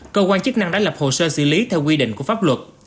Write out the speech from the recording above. cơ quan chức năng đã lập hồ sơ xử lý theo quy định của pháp luật